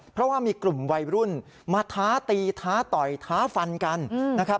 เพราะว่ามีกลุ่มวัยรุ่นมาท้าตีท้าต่อยท้าฟันกันนะครับ